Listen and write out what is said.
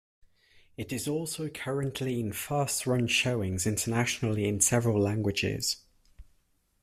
It is also currently in first run showings internationally in several languages.